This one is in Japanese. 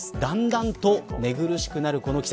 だんだんと寝苦しくなる